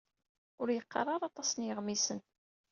Ur yeqqar ara aṭas n yeɣmisen.